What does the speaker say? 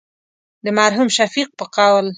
د مرحوم شفیق په قول.